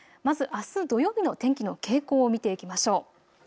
あす土曜日の天気の傾向を見ていきましょう。